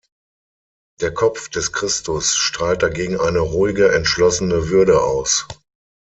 Der Kopf des Christus strahlt dagegen eine ruhige, entschlossene Würde aus.